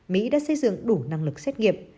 mỹ đã xây dựng đủ năng lực xét nghiệm